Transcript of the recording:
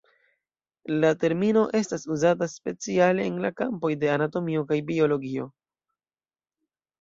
La termino estas uzata speciale en la kampoj de anatomio kaj biologio.